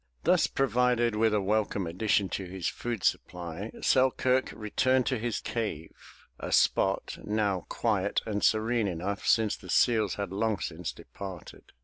Thus provided with a welcome addition to his food supply, Selkirk returned to his cave, a spot now quiet and serene enough since the seals had long since departed.